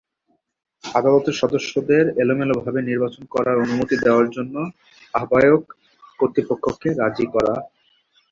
আদালতের সদস্যদের এলোমেলোভাবে নির্বাচন করার অনুমতি দেওয়ার জন্য আহ্বায়ক কর্তৃপক্ষকে রাজি করা।